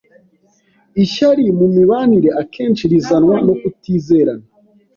Ishyari mu mibanire akenshi rizanwa no kutizerana.